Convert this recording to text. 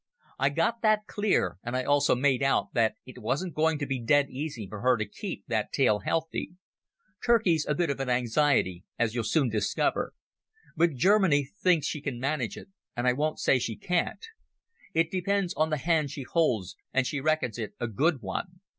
"I got that clear, and I also made out that it wasn't going to be dead easy for her to keep that tail healthy. Turkey's a bit of an anxiety, as you'll soon discover. But Germany thinks she can manage it, and I won't say she can't. It depends on the hand she holds, and she reckons it a good one.